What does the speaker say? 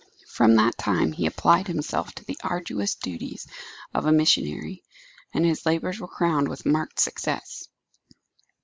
From that time he applied himself to the arduous duties of a missionary, and his labours were crowned with marked success.